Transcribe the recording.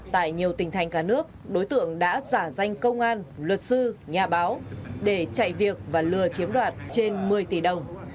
tại nhiều tỉnh thành cả nước đối tượng đã giả danh công an luật sư nhà báo để chạy việc và lừa chiếm đoạt trên một mươi tỷ đồng